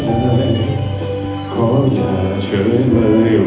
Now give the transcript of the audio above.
ขออย่าช่วยกับรักเลยขอให้เหมือนเดิม